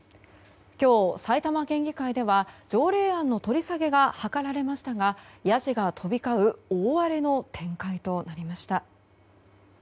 今日、埼玉県議会では条例案の取り下げが諮られましたがやじが飛び交う大荒れの展開となりました。